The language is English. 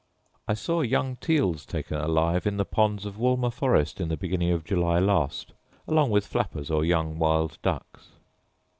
I saw young teals taken alive in the ponds of Wolmerforest in the beginning of July last, along with flappers, or young wild ducks.